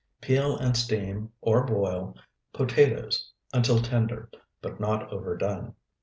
Peel and steam or boil potatoes until tender, but not overdone.